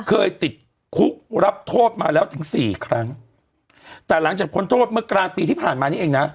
เคยติดคุกรับโทษมาแล้วถึงสี่ครั้งแต่หลังจากพ้นโทษเมื่อกลางปีที่ผ่านมานี่เองนะ